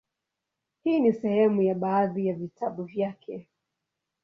Hii ni sehemu ya baadhi ya vitabu vyake;